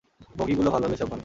মগীগুলো ভালো হলেই সব ভালো।